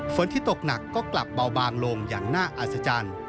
ฝนที่ตกหนักก็กลับเบาบางลงอย่างน่าอัศจรรย์